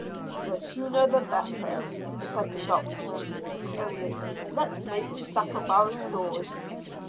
"The sooner the better," said the doctor, "only let's make a stack of our stores."